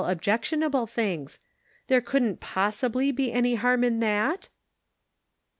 objectionable things ; there couldn't possibly be any harm in that ?